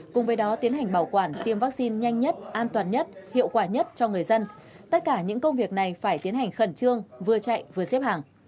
cùng với đó tiến hành bảo quản tiêm vaccine nhanh nhất an toàn nhất hiệu quả nhất cho người dân tất cả những công việc này phải tiến hành khẩn trương vừa chạy vừa xếp hàng